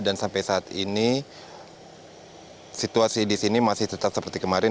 dan sampai saat ini situasi di sini masih tetap seperti kemarin